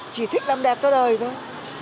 chỉ thích làm đẹp cho đời thôi